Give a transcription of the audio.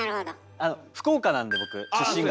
あの福岡なんで僕出身が。